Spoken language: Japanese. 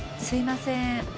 すいません。